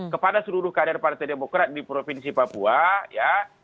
kepada seluruh kader partai demokrat di provinsi papua ya